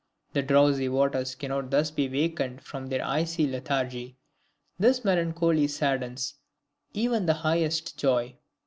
The drowsy waters cannot thus be wakened from their icy lethargy. This melancholy saddens even the highest joy.